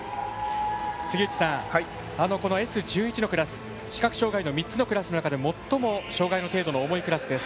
杉内さん、Ｓ１１のクラス視覚障がいの３つのクラスの中で最も障がいの程度が重いクラスです。